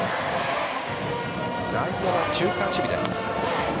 内野は中間守備です。